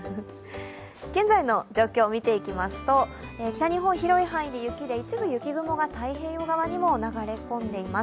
現在の状況、見ていきますと、北日本、広い範囲で一部雪雲が太平洋側にも流れ込んでいます。